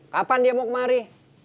kapan dia mau kemari